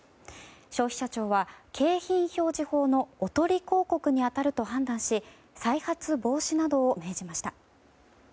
消費者庁は景品表示法のおとり広告に当たると判断し再発防止などを命じました。